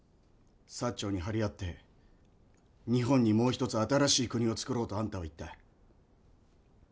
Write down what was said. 長に張り合って日本にもう一つ新しい国を造ろうとあんたは言った。